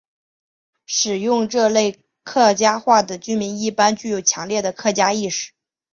使用这类客家话的居民一般具有强烈的客家意识。